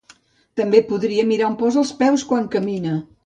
També podria mirar on posa els peus quan camina!